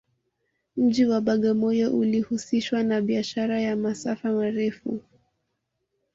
mji wa bagamoyo ulihusishwa na biashara ya masafa marefu